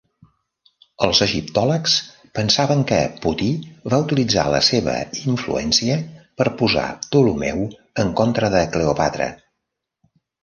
Els egiptòlegs pensaven que Potí va utilitzar la seva influència per posar Ptolemeu en contra de Cleòpatra.